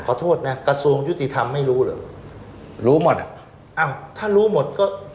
ขอโทษนะกระทรวงยุติธรรมไม่รู้เหรอรู้หมดอ่ะอ้าวถ้ารู้หมดก็